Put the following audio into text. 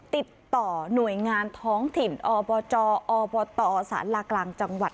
ติดต่อหน่วยงานท้องถิ่นอบจอบตศาลากลางจังหวัด